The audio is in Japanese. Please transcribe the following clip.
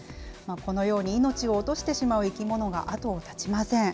このように命を落としてしまう生き物が後を絶ちません。